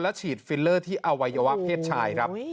ฉีดฟิลเลอร์ที่อวัยวะเพศชายครับ